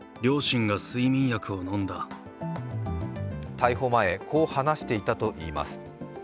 逮捕前、こう話していたといいます。